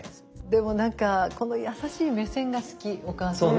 でも何かこの優しい目線が好きお母さんの。